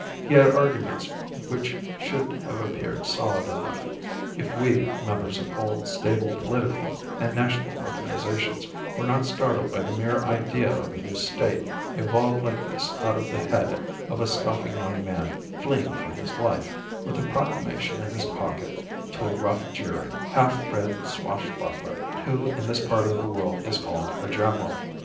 He had arguments which should have appeared solid enough if we, members of old, stable political and national organizations, were not startled by the mere idea of a new State evolved like this out of the head of a scoffing young man fleeing for his life, with a proclamation in his pocket, to a rough, jeering, half bred swashbuckler, who in this part of the world is called a general.